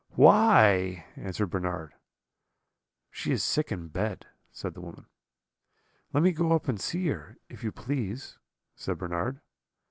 "'Why?' answered Bernard. "'She is sick in bed,' said the woman. "'Let me go up and see her, if you please,' said Bernard.